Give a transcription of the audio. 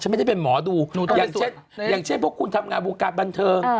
ฉันไม่ได้เป็นหมอดูอย่างเช่นพวกคุณทำงานบุกราชบันเทิง